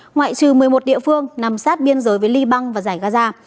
ngoại trừ một mươi một địa phương nằm sát biên giới với libang và dài gaza